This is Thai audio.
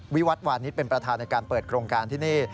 วิวัตวานิสเป็นประธานในการเปิดโครงการที่นี่